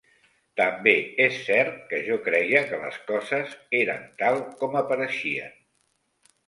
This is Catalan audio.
També és cert que jo creia que les coses eren tal com apareixien